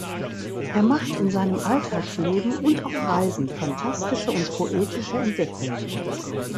Er macht in seinem Alltagsleben und auf Reisen phantastische und poetische Entdeckungen.